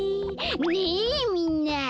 ねえみんな。